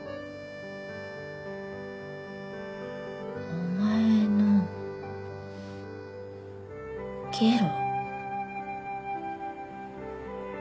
お前のゲロ。